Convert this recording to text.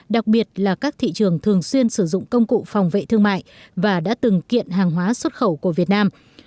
đặc biệt là các thị trường thường xuyên sử dụng công cụ phòng vệ thương mại và đã từng kiện hàng hóa xuất khẩu của việt nam